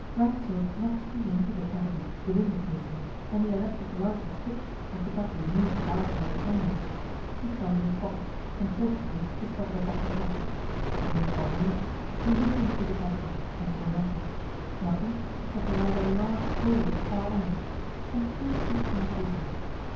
Racksole could not see into the cavity within the casing, and the electric light was fixed, and could not be moved about like a candle. He felt in his pockets, and fortunately discovered a box of matches. Aided by these, he looked into the cavity, and saw nothing; nothing except a rather large hole at the far end some three feet from the casing.